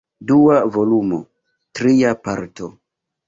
Dua volumo, Tria Parto.